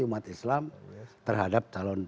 umat islam terhadap calon